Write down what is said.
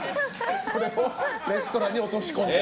それをレストランに落とし込んで。